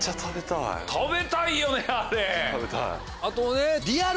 あとね。